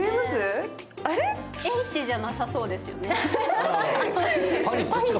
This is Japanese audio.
Ｈじゃなさそうですよね。